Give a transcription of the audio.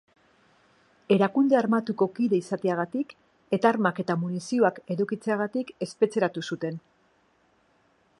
Erakunde armatuko kide izateagatik eta armak eta munizioak edukitzeagatik espetxeratu zuten.